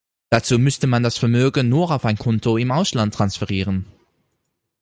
Dazu müsste man das Vermögen nur auf ein Konto im Ausland transferieren.